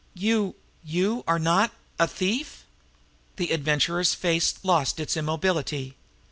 "You you are not a a thief!" The Adventurer's face lost its immobility.